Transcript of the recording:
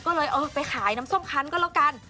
ก็เลยเออไปขายน้ำส้มคันก็แล้วกัน